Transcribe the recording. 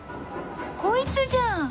こいつじゃん！